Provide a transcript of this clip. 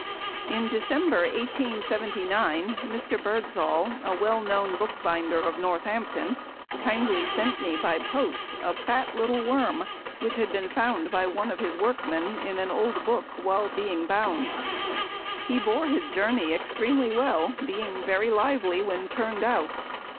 In December, 1879, Mr. Birdsall, a well known book binder of Northampton, kindly sent me by post a fat little Worm, which had been found by one of his workmen in an old book while being bound. He bore his journey extremely well, being very lively when turned out.